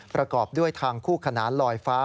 ประกอบด้วยทางคู่ขนานลอยฟ้า